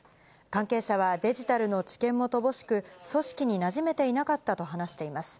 関係者はデジタルの知見も乏しく、組織になじめていなかったと話しています。